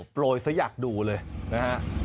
โปรยซะอยากดูเลยนะฮะ